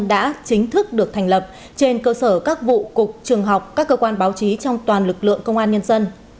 đã chính thức được thành lập trên cơ sở các vụ cục trường học các cơ quan báo chí trong toàn lực lượng công an nhân dân